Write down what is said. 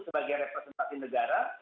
sebagai representasi negara